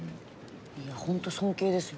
いやホント尊敬ですよ。